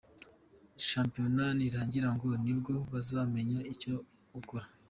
Shampiona nirangira ngo ni bwo bazamenya icyo gukora .